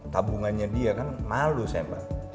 tabungannya dia kan malu saya mbak